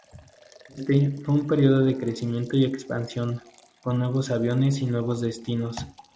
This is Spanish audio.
Éste fue un periodo de crecimiento y expansión, con nuevos aviones y nuevos destinos.